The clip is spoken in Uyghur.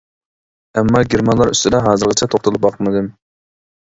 ئەمما گېرمانلار ئۈستىدە ھازىرغىچە توختىلىپ باقمىدىم.